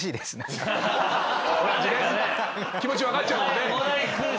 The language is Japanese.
気持ち分かっちゃうもんね。